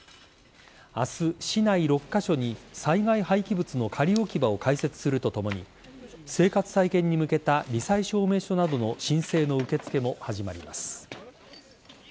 明日、市内６カ所に災害廃棄物の仮置き場を開設するとともに生活再建に向けた罹災証明書などの申請の受け付けも始まります。